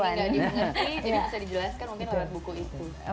jadi bisa dijelaskan mungkin lewat buku itu